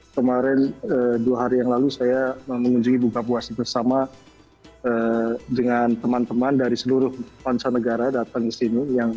kemarin dua hari yang lalu saya mengunjungi buka puasa bersama dengan teman teman dari seluruh bangsa negara datang ke sini